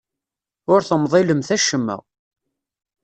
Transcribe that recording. Ur temḍilemt acemma.